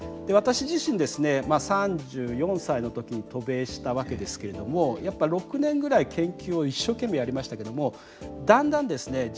私自身ですね３４歳の時に渡米したわけですけれどもやっぱ６年ぐらい研究を一生懸命やりましたけどもだんだんですね